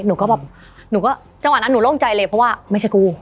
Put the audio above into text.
หนูก็แบบหนูก็จังหวะนั้นหนูโล่งใจเลยเพราะว่าไม่ใช่กู